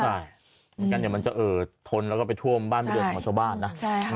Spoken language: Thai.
ใช่การเดี๋ยวมันจะเอ่อทนแล้วก็ไปท่วมบ้านไปเดินของชาวบ้านนะ